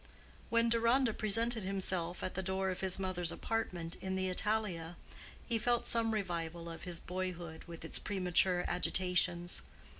When Deronda presented himself at the door of his mother's apartment in the Italia he felt some revival of his boyhood with its premature agitations.